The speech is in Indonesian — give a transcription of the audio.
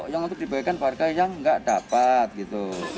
yang untuk dibagikan warga yang tidak dapat